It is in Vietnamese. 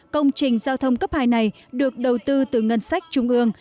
công trình giao thông cấp hai này được đầu tư từ ngân sách trung ương